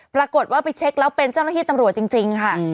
ปรากฏว่าไปเช็คแล้วเป็นเจ้าหน้าที่ตำรวจจริงค่ะ